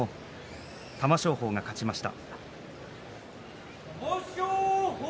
玉正鳳が勝ちました。